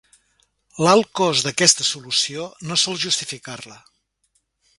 L'alt cost d'aquesta solució no sol justificar-la.